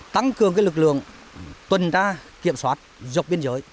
tăng cường cái lực lượng tuần ra kiểm soát dọc biên giới